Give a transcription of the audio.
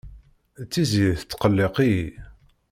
Tiziri tettqelliq-iyi.